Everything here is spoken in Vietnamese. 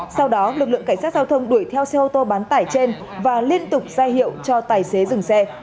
sau đó lực lượng cảnh sát giao thông đuổi theo xe ô tô bán tải trên và liên tục ra hiệu cho tài xế dừng xe